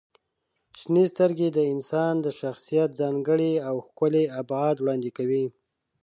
• شنې سترګې د انسان د شخصیت ځانګړی او ښکلی ابعاد وړاندې کوي.